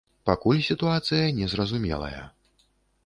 Пакуль сітуацыя не зразумелая.